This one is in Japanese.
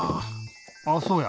あっそうや！